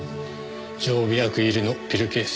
常備薬入りのピルケース。